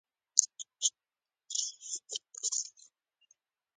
د اوسنیو اوربشو او غنمو نیکونه دا څرګندوي.